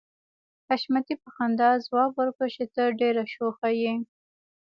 حشمتي په خندا ځواب ورکړ چې ته ډېره شوخه يې